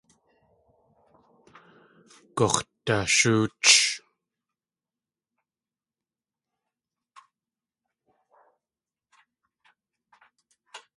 Gux̲dashóoch.